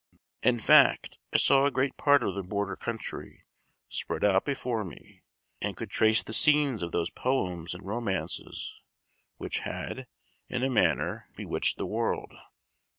In fact, I saw a great part of the border country spread out before me, and could trace the scenes of those poems and romances which had, in a manner, bewitched the world.